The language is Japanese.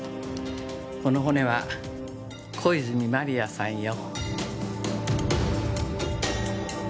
この骨は小泉万里亜さんよ。